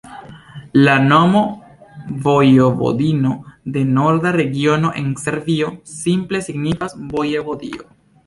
La nomo Vojvodino de norda regiono en Serbio simple signifas vojevodio.